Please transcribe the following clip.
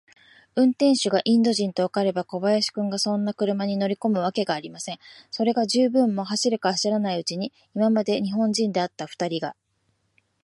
運転手がインド人とわかれば、小林君がそんな車に乗りこむわけがありません。それが、十分も走るか走らないうちに、今まで日本人であったふたりが、